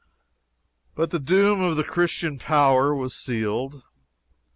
But the doom of the Christian power was sealed.